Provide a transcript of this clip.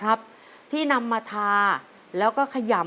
ขอเชยคุณพ่อสนอกขึ้นมาต่อชีวิตเป็นคนต่อชีวิต